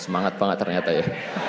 semangat banget ternyata ya